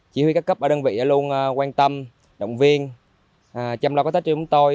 chỉ huy các cấp ở đơn vị luôn quan tâm động viên chăm lo các tết triên chúng tôi